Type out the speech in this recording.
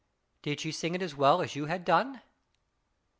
" Did she sing it as well as you had done